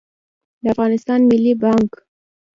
د افغانستان ملي بانګ